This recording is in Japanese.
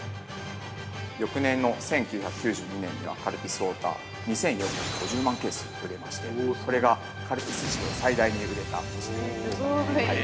◆翌年の１９９２年には、カルピスウォーター、２４５０万ケース売れまして、これがカルピス史上最大に売れた年になっています。